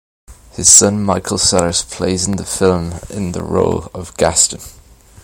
His son Michael Sellers plays in the film in the role of Gaston.